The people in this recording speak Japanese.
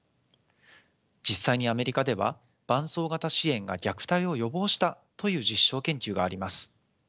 実際にアメリカでは伴走型支援が虐待を予防したという実証研究があります。